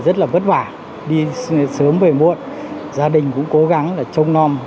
rất là vất vả đi sớm về muộn gia đình cũng cố gắng là trông non